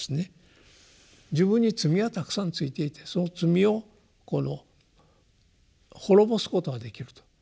自分に罪がたくさんついていてその罪をこの滅ぼすことができると。